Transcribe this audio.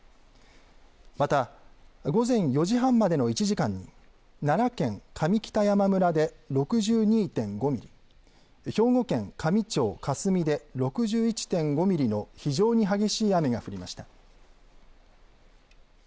また午前４時半までの１時間に奈良県上北山村で６２．５ミリ、兵庫県香美町香住で６１．５ミリの非常に激しい雨が降りました。